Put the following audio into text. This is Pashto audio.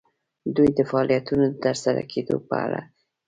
دوی د فعالیتونو د ترسره کیدو په اړه دي.